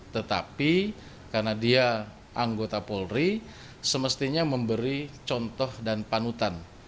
tetapi karena dia anggota polri semestinya memberi contoh dan panutan